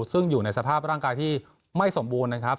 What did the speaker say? ซึ่งอยู่ในสภาพร่างกายที่ไม่สมบูรณ์นะครับ